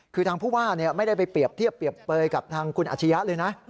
คือทางผู้ว่าเนี่ยไม่ได้ไปเปรียบเทียบเบยกับทางคุณอาชญะเลยนะ